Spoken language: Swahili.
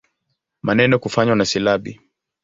Maneno kufanywa na silabi.